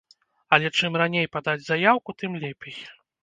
Але чым раней падаць заяўку, тым лепей.